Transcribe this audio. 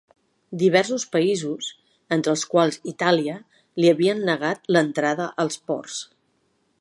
Diversos països, entre els quals Itàlia, li havien negat l’entrada als ports.